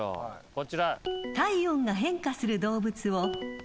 こちら。